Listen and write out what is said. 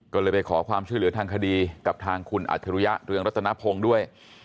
ก็เลยไปขอความช่วยเหลือทางคดีกับทางคุณอัจฉริยะเรืองรัตนพงศ์ด้วย